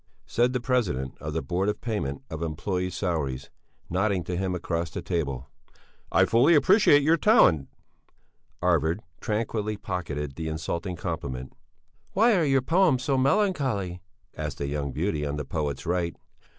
said the President of the Board of Payment of Employés' Salaries, nodding to him across the table. "I fully appreciate your talent." Arvid tranquilly pocketed the insulting compliment. "Why are your poems so melancholy?" asked a young beauty on the poet's right.